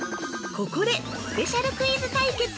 ◆ここでスペシャルクイズ対決！